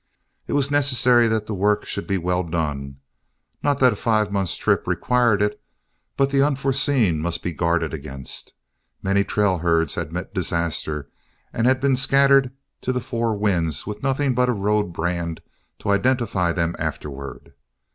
It was necessary that the work should be well done; not that a five months' trip required it, but the unforeseen must be guarded against. Many trail herds had met disaster and been scattered to the four winds with nothing but a road brand to identify them afterward.